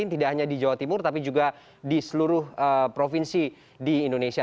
tidak hanya di jawa timur tapi juga di seluruh provinsi di indonesia